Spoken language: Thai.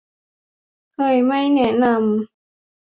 เคยไม่แนะนำ